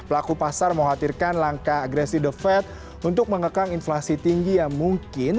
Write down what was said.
pelaku pasar mengkhawatirkan langkah agresi the fed untuk mengekang inflasi tinggi yang mungkin